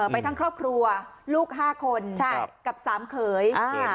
ไปทั้งครอบครัวลูก๕คนกับ๓เขย